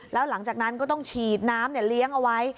แล้วหลังจากนั้นก็ต้องฉีดน้ำเลี้ยงเอาไว้